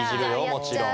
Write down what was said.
もちろん。